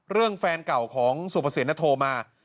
เรื่องแฟนเก่าของสุปสินนะโทรมา